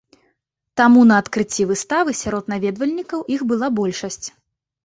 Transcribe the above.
Таму на адкрыцці выставы сярод наведвальнікаў іх была большасць.